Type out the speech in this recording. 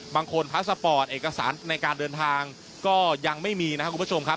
พาสปอร์ตเอกสารในการเดินทางก็ยังไม่มีนะครับคุณผู้ชมครับ